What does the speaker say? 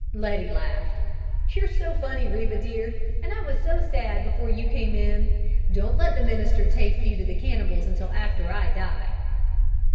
Letty laughed. "You're so funny, Reba dear, and I was so sad before you came in. Don't let the minister take you to the cannibals until after I die!"